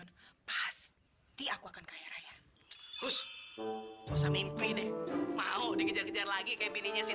kamu pikir kamu bisa mengusir saya dari rumah ini